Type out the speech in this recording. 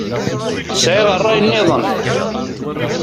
Sɛiɣ rray-nniḍen.